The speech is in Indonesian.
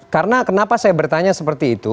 karena kenapa saya bertanya seperti itu